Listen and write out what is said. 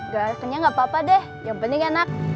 gak kenyang gapapa deh yang penting enak